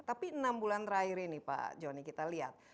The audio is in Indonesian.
tapi enam bulan terakhir ini pak joni kita lihat